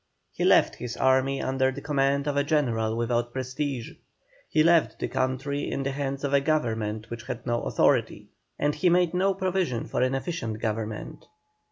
He left his army under the command of a General without prestige; he left the country in the hands of a Government which had no authority; and he made no provision for an efficient Government.